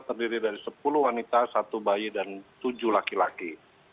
terdiri dari sepuluh wanita satu bayi dan tujuh laki laki